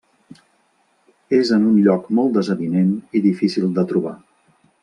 És en un lloc molt desavinent i difícil de trobar.